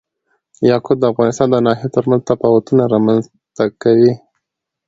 یاقوت د افغانستان د ناحیو ترمنځ تفاوتونه رامنځ ته کوي.